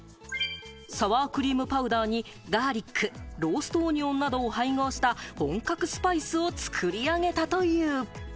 サワークリームパウダーにガーリック、ローストオニオンなどを配合した本格スパイスを作り上げたという。